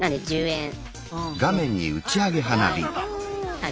はい。